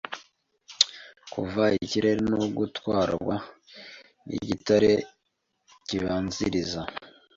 kuva ikirere no gutwarwa nigitare kibanziriza